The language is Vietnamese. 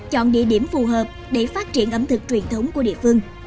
chọn địa điểm phù hợp để phát triển ẩm thực truyền thống của địa phương